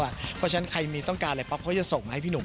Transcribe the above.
เพราะฉะนั้นใครมีต้องการอะไรป๊อปเขาจะส่งมาให้พี่หนุ่ม